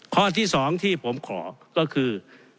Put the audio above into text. ข้อที่๒ที่ผมขอก็คือ